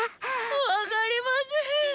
わがりまぜん。